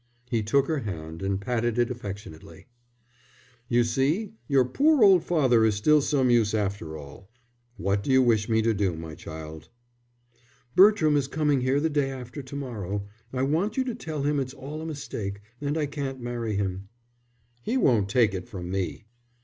He took her hand and patted it affectionately. "You see, your poor old father is still some use after all. What do you wish me to do, my child?" "Bertram is coming here the day after to morrow. I want you to tell him it's all a mistake and I can't marry him." "He won't take it from me."